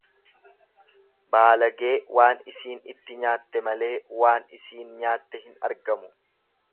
Baalagee waan isiin itti nyaatte malee waan isiin nyaatte hin argamu.